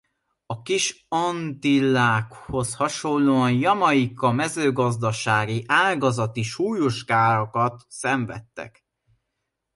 A Kis-Antillákhoz hasonlóan Jamaica mezőgazdasági ágazati súlyos károkat szenvedetek.